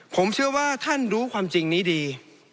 ผมเชื่อว่าท่านรู้ความจริงนี้ดี